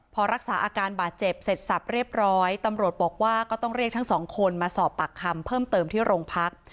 พอรักษาอาการบาดเจ็บเสร็จสับเรียบร้อยตำรวจบอกว่าก็ต้องเรียกทั้งสองคนมาสอบปากคำเพิ่มเติมที่โรงพัก